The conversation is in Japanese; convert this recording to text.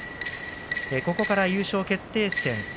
ここから、優勝決定戦。